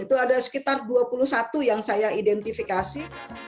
itu ada sekitar dua puluh satu yang saya identifikasi